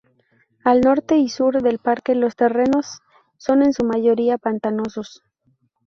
Al norte y sur del parque los terrenos son en su mayoría pantanosos.